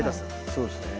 そうですね。